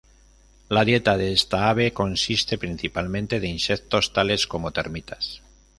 La dieta de esta ave consiste principalmente de insectos tales como termitas.